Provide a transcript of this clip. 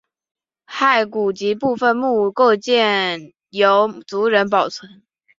骸骨及部分墓构件由族人保存。